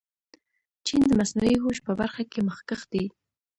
چین د مصنوعي هوش په برخه کې مخکښ دی.